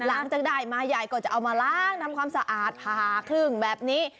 พวกยายก็จะเอามาล้างทำความสามารถผ้าครึ่งแบบนี้